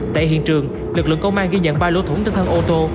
tại hiện trường lực lượng công an ghi nhận ba lỗ thủng trên thân ô tô